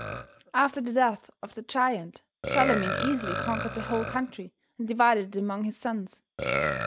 After the death of the giant, Charlemagne easily conquered the whole country and divided it among his sons.